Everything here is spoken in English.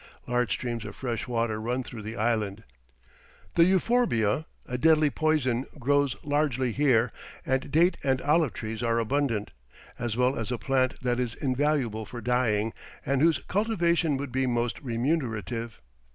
Large streams of fresh water run through the island; the euphorbia, a deadly poison, grows largely here, and date and olive trees are abundant, as well as a plant that is invaluable for dyeing and whose cultivation would be most remunerative.